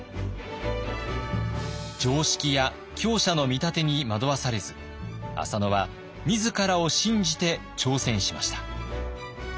常識や強者の見立てに惑わされず浅野は自らを信じて挑戦しました。